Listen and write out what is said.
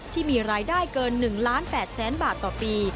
ที่มีรายได้เกิน๑๘๐๐๐๐๐บาทต่อปี